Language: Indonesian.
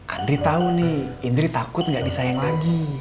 andri tau nih indri takut gak disayang lagi